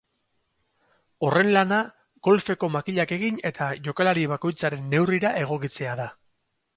Horren lana golfeko makilak egin eta jokalari bakoitzaren neurrira egokitzea da.